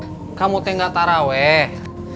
cu kabutnya engga tabur lohyeah